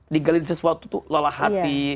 ninggalin sesuatu tuh lelah hati